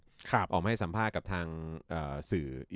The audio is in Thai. ออกมาให้สัมภาษณ์กับทางสื่อ